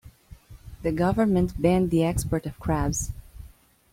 The government banned the export of crabs.